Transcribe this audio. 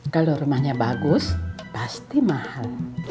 kalau rumahnya bagus pasti mahal